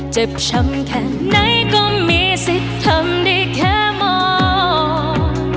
เจ็บช้ำแค่ไหนก็มีสิทธิ์ทำได้แค่มอง